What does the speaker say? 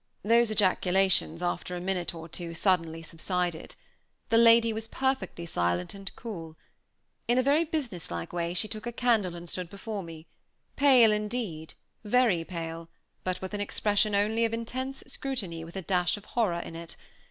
These ejaculations, after a minute or two, suddenly subsided. The lady was perfectly silent and cool. In a very business like way she took a candle and stood before me, pale indeed, very pale, but with an expression only of intense scrutiny with a dash of horror in it.